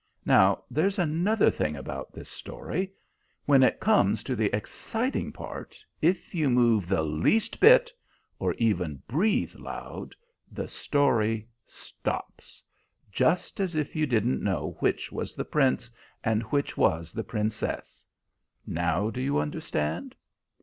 Now there's another thing about this story: when it comes to the exciting part, if you move the least bit, or even breathe loud, the story stops, just as if you didn't know which was the Prince and which was the Princess. Now do you understand?"